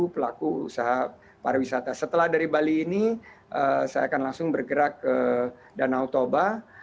pelaku usaha pariwisata setelah dari bali ini saya akan langsung bergerak ke danau toba